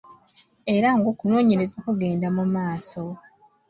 Era ng'okunoonyereza kugenda mu maaso.